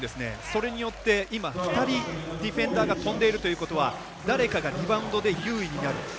それによって、今２人ディフェンダーが飛んでいるということは誰かがリバウンドで優位になっている。